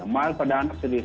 mild pada anak serius